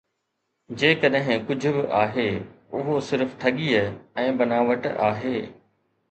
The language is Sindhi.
جيڪڏهن ڪجهه به آهي، اهو صرف ٺڳيءَ ۽ بناوٽ آهي